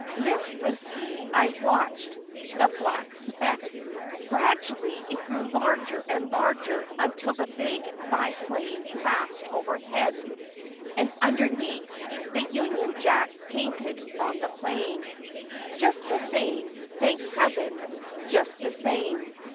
Listlessly I watched the black speck. Gradually it grew larger and larger until the big biplane passed overhead. And underneath the Union Jack — painted on the plane. Just the same, thank Heaven, just the same.